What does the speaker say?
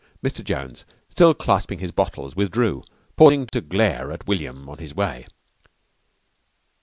"] Mr. Jones, still clasping his bottles, withdrew, pausing to glare at William on his way.